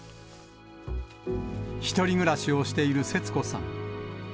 １人暮らしをしている節子さん。